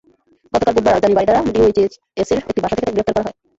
গতকাল বুধবার রাজধানীর বারিধারা ডিওএইচএসের একটি বাসা থেকে তাঁকে গ্রেপ্তার করা হয়।